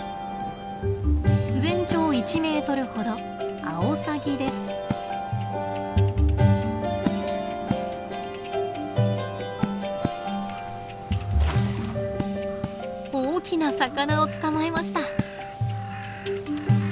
全長１メートルほど大きな魚を捕まえました。